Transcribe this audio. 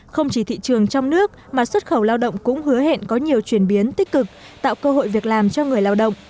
không chỉ thị trường trong nước mà xuất khẩu lao động cũng hứa hẹn có nhiều chuyển biến tích cực tạo cơ hội việc làm cho người lao động